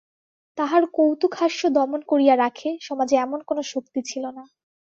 তাহার কৌতুকহাস্য দমন করিয়া রাখে, সমাজে এমন কোনো শক্তি ছিল না।